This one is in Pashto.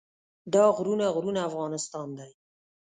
دا غرونه غرونه افغانستان دی.